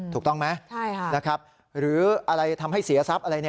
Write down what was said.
ถูกต้องไหมหรืออะไรทำให้เสียทรัพย์อะไร